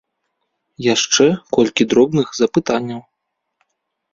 Яшчэ колькі дробных запытанняў.